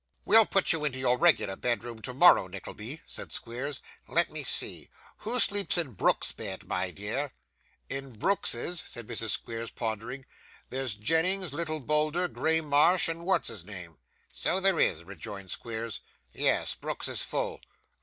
'We'll put you into your regular bedroom tomorrow, Nickelby,' said Squeers. 'Let me see! Who sleeps in Brooks's bed, my dear?' 'In Brooks's,' said Mrs. Squeers, pondering. 'There's Jennings, little Bolder, Graymarsh, and what's his name.' 'So there is,' rejoined Squeers. 'Yes! Brooks is full.